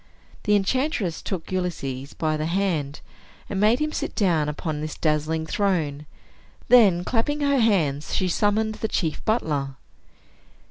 The enchantress took Ulysses by the hand, and made him sit down upon this dazzling throne. Then, clapping her hands, she summoned the chief butler.